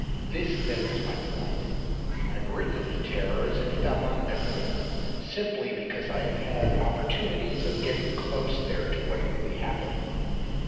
This, then, is my point; I have written of the terror as it fell on Meirion, simply because I have had opportunities of getting close there to what really happened.